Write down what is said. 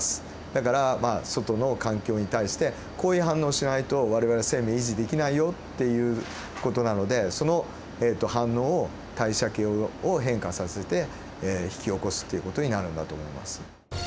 だから外の環境に対してこういう反応をしないと我々生命維持できないよっていう事なのでその反応を代謝系を変化させて引き起こすっていう事になるんだと思います。